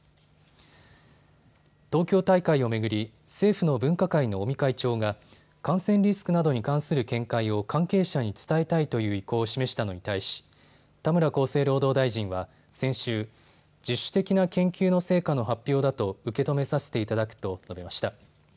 東京大会を巡り、政府の分科会の尾身会長が感染リスクなどに関する見解を関係者に伝えたいという意向を示したのに対し田村厚生労働大臣は先週、自主的な研究の成果の発表だと受け止めさせていただくと述べました。